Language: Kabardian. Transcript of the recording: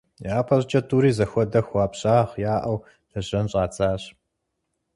ЯпэщӀыкӀэ тӀури зэхуэдэ хуабжьагъ яӀэу лэжьэн щӀадзащ.